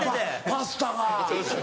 パスタが。